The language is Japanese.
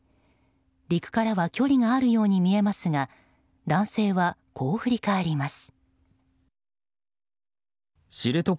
陸からは距離があるように見えますが男性はこう振り返ります。